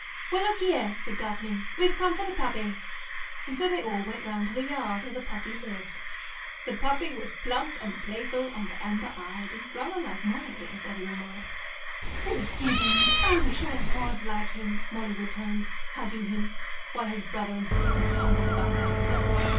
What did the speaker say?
"Well, look here," said Daphne, "we've come for the puppy," and so they all went to the yard, where the puppy lived. The puppy was plump and playful and amber eyed, and rather like Molly, as Eddy remarked. "The Diddums! I wish I was like him," Molly returned, hugging him, while his brother and sister tumbled about her ankles.